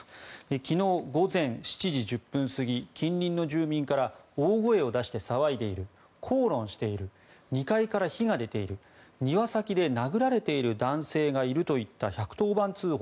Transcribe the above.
昨日午前７時１０分過ぎ近隣の住民から大声を出して騒いでいる口論している２階から火が出ている庭先で殴られている男性がいるといった１１０番通報